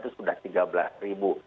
itu sudah tiga belas ribu